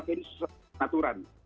apakah ini sesuatu dengan aturan